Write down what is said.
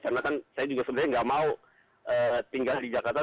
karena kan saya juga sebenarnya tidak mau tinggal di jakarta